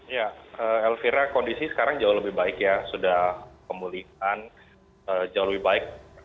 ya elvira kondisi sekarang jauh lebih baik ya sudah pemulihan jauh lebih baik